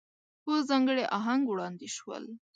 په ځانګړي آهنګ وړاندې شول.